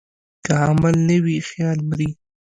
که عمل نه وي، خیال مري.